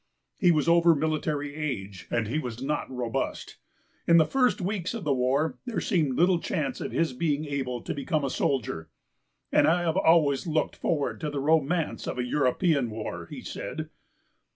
He was over military age and he was not robust. In the first weeks of the war there seemed little chance of his being able to become a soldier. "And I have always looked forward to the romance of a European war," he said.